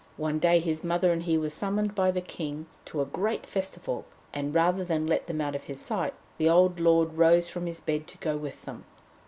One day his mother and he were summoned by the King to a great festival, and rather than let them out of his sight, the old lord rose from his bed to go with them.